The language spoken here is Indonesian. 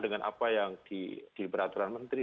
dengan apa yang di peraturan menteri